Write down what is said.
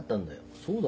そうだろ？